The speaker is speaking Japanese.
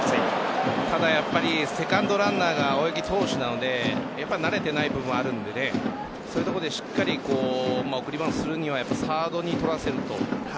セカンドランナーが青柳投手なので慣れていない部分はあるのでそういうところでしっかり送りバントするにはサードに捕らせると。